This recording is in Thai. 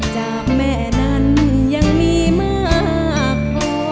จากแม่นั้นยังมีมากพอ